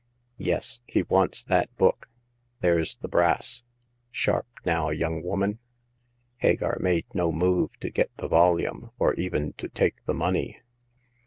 " Yes ; he wants that book. There's the brass. Sharp, now, young woman !" Hagar made no move to get the volume, or even to take the money.